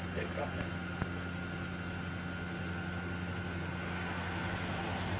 เชิญกันที่อยู่ตรงนี้